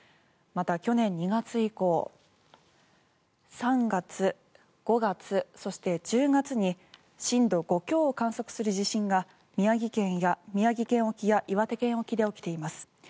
また、去年２月以降３月、５月、そして１０月に震度５強を観測する地震が宮城県沖や岩手県沖で起きています。